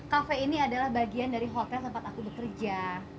kafe ini adalah bagian dari hotel tempat aku bekerja